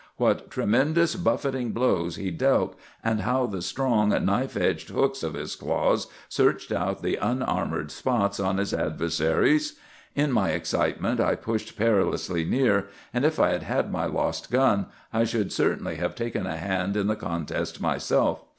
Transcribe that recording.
What tremendous buffeting blows he dealt, and how the strong knife edged hooks of his claws searched out the unarmored spots on his adversaries! In my excitement I pushed perilously near, and if I had had my lost gun I should certainly have taken a hand in the contest myself.